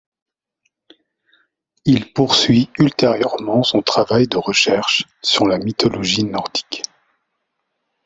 Il poursuit ultérieurement son travail de recherche sur la mythologie nordique.